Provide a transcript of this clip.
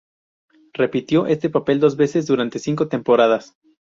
Repitió este papel dos veces durante cinco temporadas.